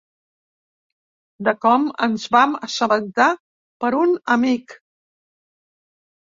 De com ens en vam assabentar per un amic.